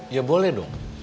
ya boleh dong